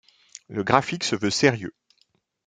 Le graphique se veut sérieux.